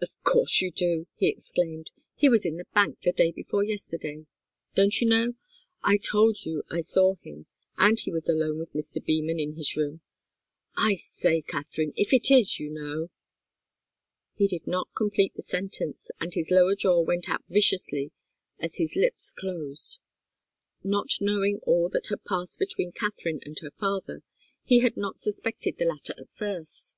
"Of course you do!" he exclaimed. "He was in the bank the day before yesterday. Don't you know? I told you I saw him. And he was alone with Mr. Beman in his room. I say Katharine if it is, you know " He did not complete the sentence, but his lower jaw went out viciously as his lips closed. Not knowing all that had passed between Katharine and her father, he had not suspected the latter at first.